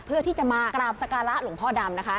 เพื่อที่จะมากราบสการะหลวงพ่อดำนะคะ